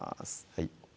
はい